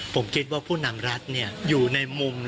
ผมคิดว่าผู้นำรัฐอยู่ในมุม